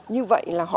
như vậy là họ